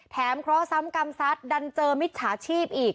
แถมเพราะว่าซ้ำกรรมซัสดันเจอมิจฉาชีพอีก